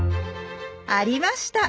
ありました。